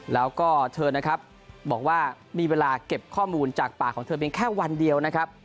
แล้วก็เธอนะครับบอกว่ามีเวลาเก็บข้อมูลจากปากของเธอเพียงแค่วันเดียวนะครับ